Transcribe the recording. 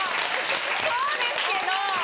そうですけど！